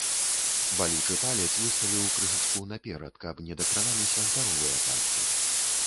Балючы палец выставіў крышачку наперад, каб не дакраналіся здаровыя пальцы.